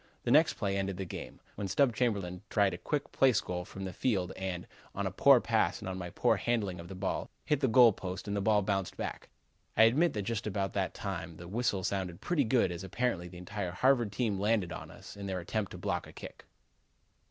The next play ended the game, when Stub Chamberlin tried a quick place goal from the field and, on a poor pass and on my poor handling of the ball, hit the goal post and the ball bounded back. I admit that just about that time the whistle sounded pretty good as apparently the entire Harvard team landed on us in their attempt to block a kick."